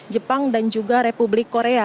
jepang dan juga republik korea